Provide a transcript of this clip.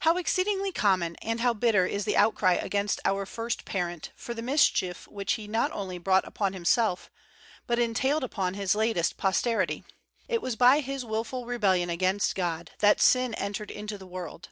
How exceedingly common and how bitter is the outcry against our first parent for the mis chief which he not only brought upon himself, but entailed upon his latest posterity! It was by his wilful rebellion against God "that sin entered into the world."